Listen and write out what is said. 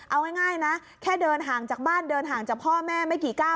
เอาง่ายนะแค่เดินห่างจากบ้านเดินห่างจากพ่อแม่ไม่กี่ก้าว